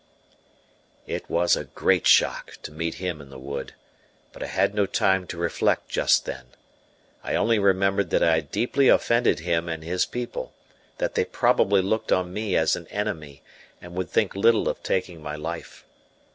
It was a great shock to meet him in the wood, but I had no time to reflect just then. I only remembered that I had deeply offended him and his people, that they probably looked on me as an enemy, and would think little of taking my life.